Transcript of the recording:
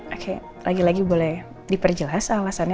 oke lagi lagi boleh diperjelas alasannya